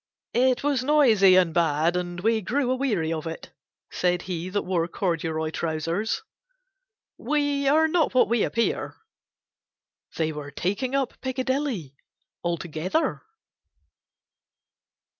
"It was noisy and bad and we grew aweary of it," said he that wore corduroy trousers. "We are not what we appear." They were taking up Picadilly altogether.